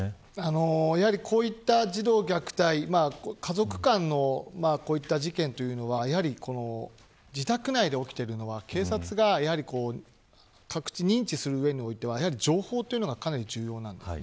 こういった児童虐待家族間の事件は自宅内で起きているのは、警察が認知する上においては情報というのがかなり重要です。